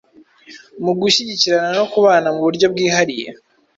Mu gushyigikirana no kubana mu buryo bwihariye,